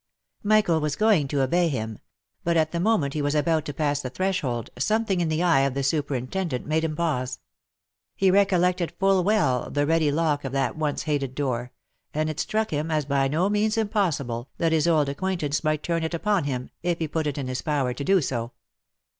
Michael was going to obey him ; but, at the moment he was about to pass the threshold, something in the eye of the superintendent made him pause. He recollected full well the ready lock of that once hated door ; and it struck him, as by no means impossible, that his old ac quaintance might turn it upon him, if he put it in his power to do so.